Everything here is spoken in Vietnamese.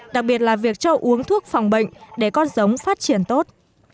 đặc biệt là việc cho uống thuốc phòng bệnh để con giống phát triển tốt